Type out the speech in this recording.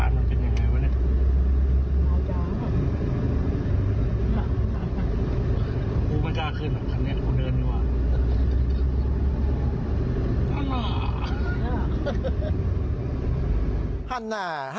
คุณไม่กล้าขึ้นเหรอคันนี้เขาเดินดีกว่า